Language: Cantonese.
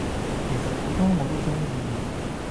其實好多我都鍾意